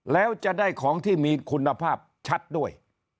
แล้วจะได้ของที่มีคุณภาพชัดด้วย